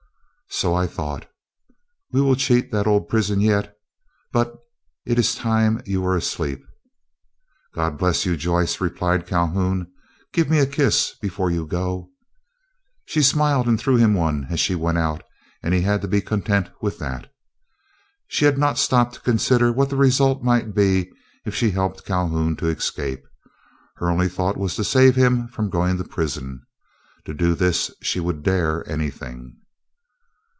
"So I thought. We will cheat that old prison yet. But it is time you were asleep." "God bless you, Joyce," replied Calhoun. "Give me a kiss before you go." She smiled and threw him one as she went out and he had to be content with that. She had not stopped to consider what the result might be if she helped Calhoun to escape. Her only thought was to save him from going to prison. To do this she would dare anything.